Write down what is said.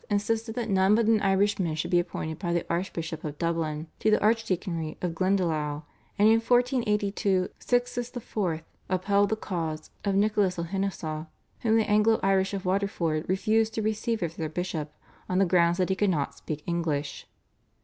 insisted that none but an Irishman should be appointed by the Archbishop of Dublin to the archdeaconry of Glendalough, and in 1482 Sixtus IV. upheld the cause of Nicholas O'Henisa whom the Anglo Irish of Waterford refused to receive as their bishop on the ground that he could not speak English.